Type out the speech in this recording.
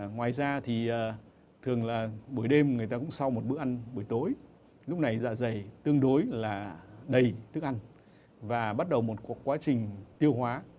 ngoài ra thì thường là buổi đêm người ta cũng sau một bữa ăn buổi tối lúc này dạ dày tương đối là đầy thức ăn và bắt đầu một quá trình tiêu hóa